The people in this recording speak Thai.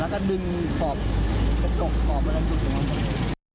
แล้วก็ดึงครอบอะไรอยู่ข้างนอก